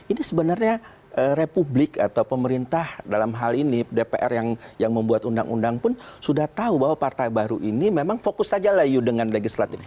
ini sebenarnya republik atau pemerintah dalam hal ini dpr yang membuat undang undang pun sudah tahu bahwa partai baru ini memang fokus saja layu dengan legislatif